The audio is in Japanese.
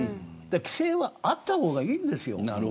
規制はあった方がいいんですよ。